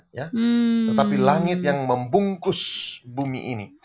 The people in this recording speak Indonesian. tetapi langit yang membungkus bumi ini